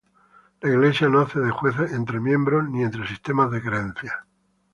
La iglesia no hace de juez entre miembros ni entre sistemas de creencias.